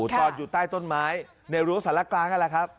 พูดตอนอยู่ใต้ต้นไม้ในรู้สารากลาง